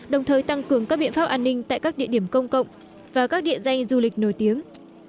đồng thời tăng cường các biện pháp an ninh tại các địa điểm công cộng và các địa danh du lịch nổi tiếng